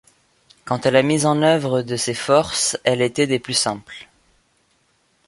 Quant à la mise en œuvre de ces forces, elle était des plus simples.